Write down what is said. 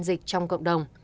dịch trong cộng đồng